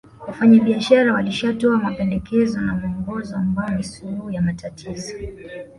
Wafanyabiashara walishatoa mapendekezo na muongozo ambao ni suluhu ya matatizo